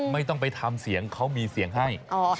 ไม่ต้องไปทำเสียงเขามีเสียงให้